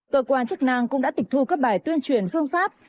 cơ quan chức năng cũng đã tịch thu các bài tuyên truyền phương pháp